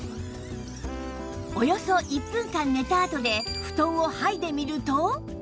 およそ１分間寝たあとで布団を剥いでみると